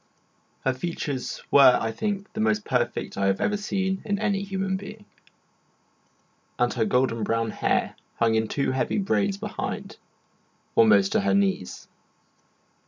Her features were, I think, the most perfect I have ever seen in any human being, and her golden brown hair hung in two heavy braids behind, almost to her knees.